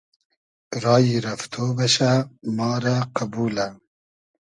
رایی رئفتۉ بئشۂ ما رۂ قئبولۂ